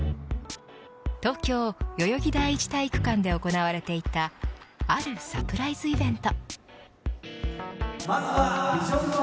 東京、代々木第一体育館で行われていたあるサプライズイベント。